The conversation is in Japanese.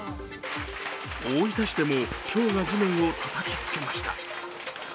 大分市でもひょうが地面をたたきつけました。